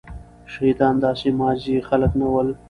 شهيدان داسي ماځي خلک نه ول.